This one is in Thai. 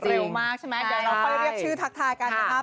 เร็วมากใช่ไหมเราก็เรียกชื่อทักทายกันนะครับ